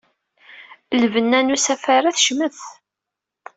Lbenna n usafar-a tecmet.